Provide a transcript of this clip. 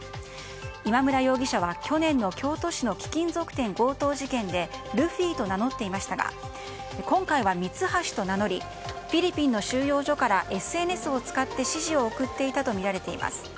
今村容疑者は去年の京都市の貴金属店強盗事件でルフィと名乗っていましたが今回はミツハシと名乗りフィリピンの収容所からＳＮＳを使って指示を送っていたとみられています。